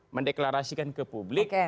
mendeklarasikan ke publik